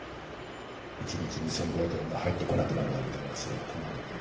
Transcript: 一日２５００円が入ってこなくなるわけだからそれは困るって。